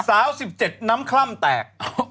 ๑๗น้ำคล่ำแตก